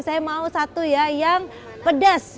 saya mau satu ya yang pedas